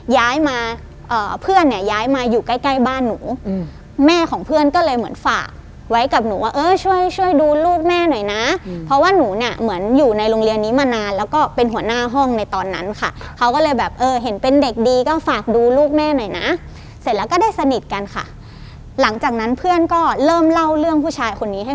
ย้ายมาเอ่อเพื่อนเนี่ยย้ายมาอยู่ใกล้ใกล้บ้านหนูแม่ของเพื่อนก็เลยเหมือนฝากไว้กับหนูว่าเออช่วยช่วยดูลูกแม่หน่อยนะเพราะว่าหนูเนี่ยเหมือนอยู่ในโรงเรียนนี้มานานแล้วก็เป็นหัวหน้าห้องในตอนนั้นค่ะเขาก็เลยแบบเออเห็นเป็นเด็กดีก็ฝากดูลูกแม่หน่อยนะเสร็จแล้วก็ได้สนิทกันค่ะหลังจากนั้นเพื่อนก็เริ่มเล่าเรื่องผู้ชายคนนี้ให้